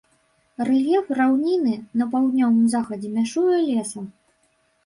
Рэльеф раўнінны, на паўднёвым захадзе мяжуе лесам.